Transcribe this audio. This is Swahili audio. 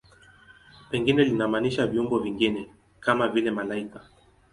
Pengine linamaanisha viumbe vingine, kama vile malaika.